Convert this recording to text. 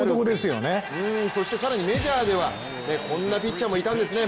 そして更にメジャーではこんなピッチャーもいたんですね。